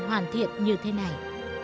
hoàn thiện như thế này